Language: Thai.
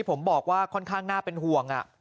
ผมบอกว่าค่อนข้างน่าเป็นห่วง